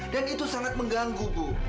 dan itu sangat mengganggu bu